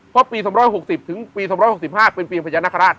เพราะปี๒๖๐ถึงปี๒๖๕เป็นปีพญานาคาราช